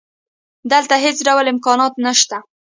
دلته هېڅ ډول امکانات نشته